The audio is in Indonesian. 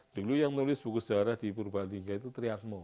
dulu yang menulis buku sejarah di purbalingga itu triatmo